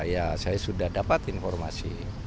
ya saya sudah dapat informasi